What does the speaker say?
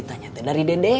itu kotanya berita dari dede